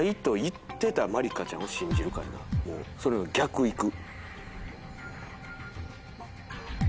それの逆いく。